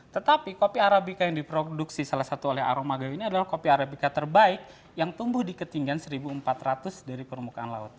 tetapi kopi arabica yang diproduksi salah satu oleh aroma gayo ini adalah kopi arabica terbaik yang tumbuh di ketinggian seribu empat ratus dari permukaan laut